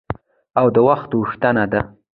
او د وخت غوښتنه ده.